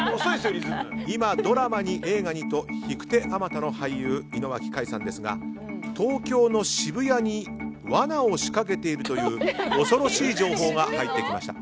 今、ドラマに映画にと引く手あまたの俳優井之脇海さんですが東京の渋谷にわなを仕掛けているという恐ろしい情報が入ってきました。